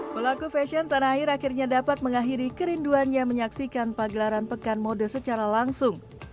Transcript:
pelaku fashion tanah air akhirnya dapat mengakhiri kerinduannya menyaksikan pagelaran pekan mode secara langsung